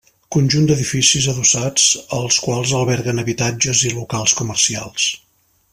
Conjunt d'edificis adossats els quals alberguen habitatges i locals comercials.